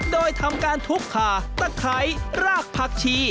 โดยทำการทุบขาตะไคร้รากผักชี